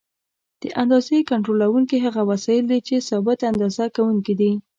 د اندازې کنټرولوونکي هغه وسایل دي چې ثابت اندازه کوونکي دي.